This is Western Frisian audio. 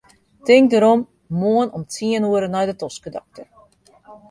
Tink derom, moarn om tsien oere nei de toskedokter.